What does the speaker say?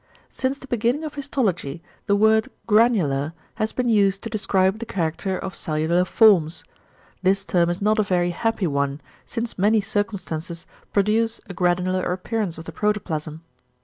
"Since the beginning of histology the word 'granular' has been used to describe the character of cellular forms. This term is not a very happy one, since many circumstances produce a granular appearance of the protoplasm.